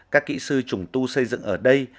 các kỹ sư trùng tu xây dựng ở đây